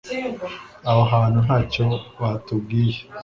Abo bantu ntacyo batubwiye